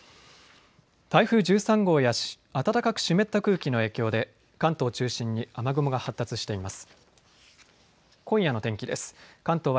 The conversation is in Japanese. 台風１３号や暖かく湿った空気の影響で関東を中心に雨雲が発達しています。